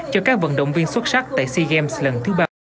cho các vận động viên xuất sắc tại sea games lần thứ ba